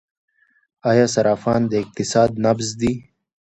آیا صرافان د اقتصاد نبض دي؟